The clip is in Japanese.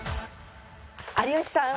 有吉さん